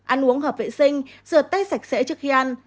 ăn uống hợp vệ sinh rửa tay sạch sẽ trước khi ăn